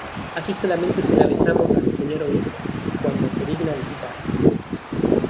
aquí solamente se la besamos al Señor Obispo, cuando se digna visitarnos.